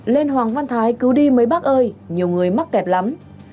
lên hoàng văn thái cứu đi mấy bác ơi nhiều người mắc kẹt lắm